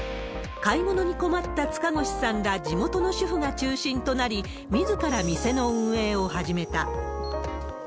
買い物に困った塚越さんら地元の主婦が中心となり、みずから店の運営を始めた。